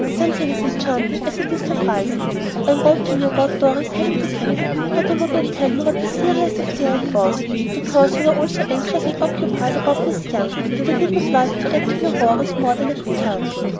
Something as enchanting as it is surprising! I wrote you about Dorry's having the grippe; but I would not tell you what a serious affair it was, because you were all so anxious and occupied about Miss Young that I did not like to add to your worries more than I could help.